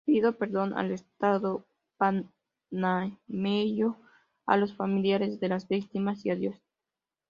Pido perdón al Estado panameño, a los familiares de las víctimas y a Dios".